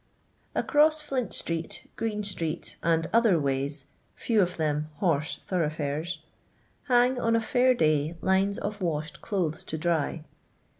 Across Flint street, (Ireen street, and other ways, few of them horse thoroughfares, hang, on a fair day, lines of washed clothes to dry.